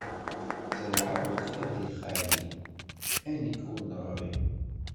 Zerɛeɣ lxiṛ di lxali, a nekk ur neɣri!